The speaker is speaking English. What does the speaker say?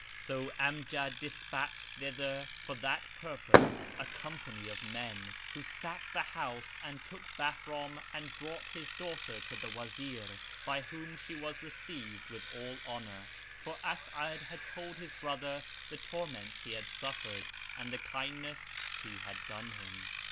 So Amjad despatched thither for that purpose a company of men, who sacked the house and took Bahram and brought his daughter to the Wazir by whom she was received with all honour, for As'ad had told his brother the torments he had suffered and the kindness she had done him.